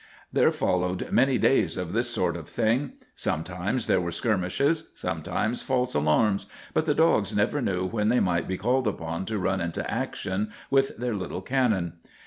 There followed many days of this sort of thing. Sometimes there were skirmishes, sometimes false alarms, but the dogs never knew when they might be called upon to run into action with their little cannon.